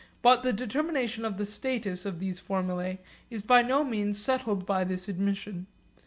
But the determination of the status of these formulae is by no means settled by this admission.